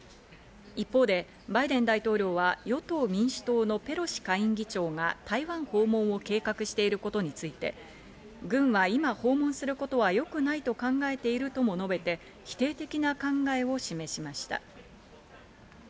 一方でバイデン大統領は与党民主党のペロシ下院議長が台湾訪問を計画していることについて、軍は今、訪問することはよくないと考えているとも述べて否定的な考えを示しました。